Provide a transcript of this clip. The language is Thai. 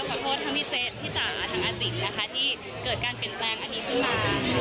ที่เกิดการเปลี่ยนแปลงอันนี้ขึ้นมา